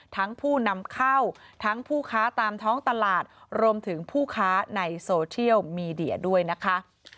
ผู้นำเข้าทั้งผู้ค้าตามท้องตลาดรวมถึงผู้ค้าในโซเชียลมีเดียด้วยนะคะ